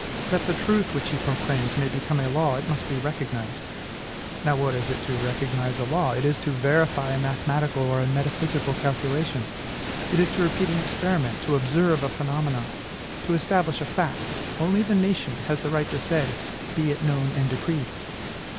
That the truth which he proclaims may become a law, it must be recognized. Now, what is it to recognize a law? It is to verify a mathematical or a metaphysical calculation; it is to repeat an experiment, to observe a phenomenon, to establish a fact. Only the nation has the right to say, "Be it known and decreed."